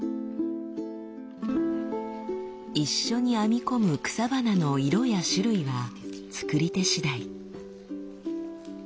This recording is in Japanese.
一緒に編み込む草花の色や種類は作り手しだい。